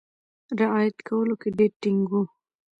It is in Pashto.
رعایت کولو کې ډېر ټینګ وو.